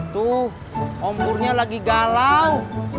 tuh ompurnya lagi galau